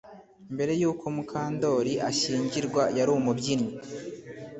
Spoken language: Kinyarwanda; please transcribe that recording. Mbere yuko Mukandoli ashyingirwa yari umubyinnyi